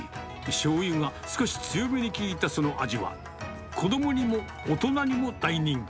しょうゆが少し強めに効いたその味は、子どもにも大人にも大人気。